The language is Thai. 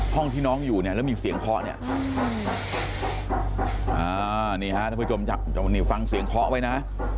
ห้องที่น้องอยู่แล้วมีเสียงเคาะนี่ครับท่านผู้ชมฟังเสียงเคาะไว้นะ